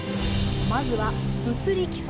まずは「物理基礎」です。